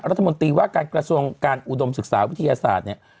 รัฐมนตรีว่าการกระทรวงการอุดมศึกษาวิทยาศาสตร์เนี่ย